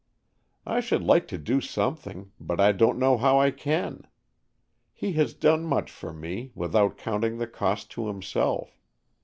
"I should like to do something, but I don't know how I can. He has done much for me, without counting the cost to himself.